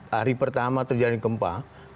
hari pertama terjadi kempah